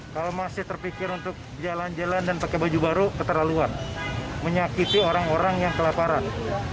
kalau masih terpikir untuk jalan jalan dan pakai baju baru keterlaluan menyakiti orang orang yang kelaparan